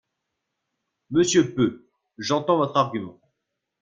Monsieur Peu, j’entends votre argument.